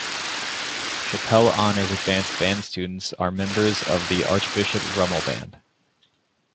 Chapelle Honors Advanced band students are members of the Archbishop Rummel Band.